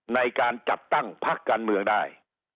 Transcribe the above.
ในการจัดตั้งพักการเมืองได้